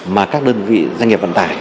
mà các đơn vị doanh nghiệp vận tải